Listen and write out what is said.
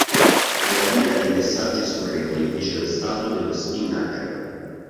Una linea di messaggi scorrevoli dice lo stato dello spinnaker.